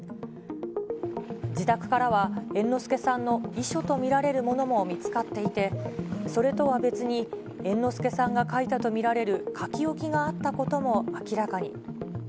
自宅からは、猿之助さんの遺書と見られるものも見つかっていて、それとは別に、猿之助さんが書いたと見られる書き置きがあったことも明らかに。